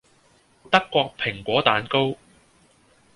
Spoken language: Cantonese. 德國蘋果蛋糕